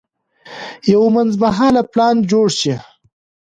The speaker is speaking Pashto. یو منځمهاله پلان جوړ شي.